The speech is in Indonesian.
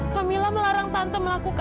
kamila melarang tante melakukannya